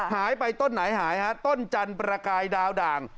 หายไปต้นไหนหายฮะต้นจันทร์ประกายดาวด่าง